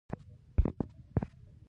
دا تخنیکي وروسته پاتې والی ده.